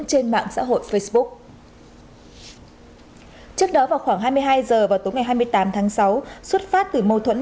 trên mạng xã hội facebook trước đó vào khoảng hai mươi hai h vào tối ngày hai mươi tám tháng sáu xuất phát từ mâu thuẫn